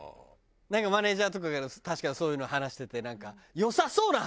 なんかマネジャーとかが確かにそういうの話してて。